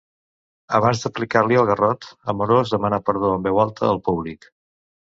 Abans d'aplicar-li el garrot, Amorós demanà perdó en veu alta al públic.